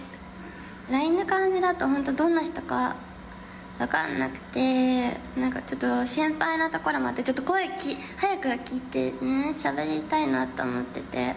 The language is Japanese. ＬＩＮＥの感じだと、本当、どんな人か分かんなくて、なんかちょっと心配なところもあって、ちょっと声、早く聞いてね、しゃべりたいなと思ってて。